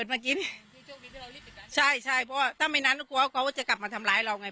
ใช่ใช่เพราะว่าถ้าไม่นั้นกลัวเขาก็จะกลับมาทำลายเราไง